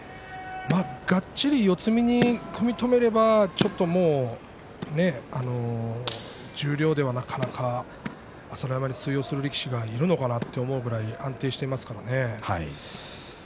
がっちり四つ身に組み止めれば十両ではなかなか朝乃山に通用する力士はいるのかなと思うぐらい安定していますからね。